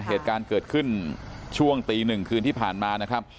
เหตุการณ์เกิดขึ้นช่วงตีหนึ่งคืนที่ผ่านมานะครับ